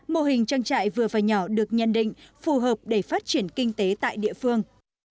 mô hình trang trại vừa và nhỏ được nhận định phù hợp để phát triển kinh tế tại địa phương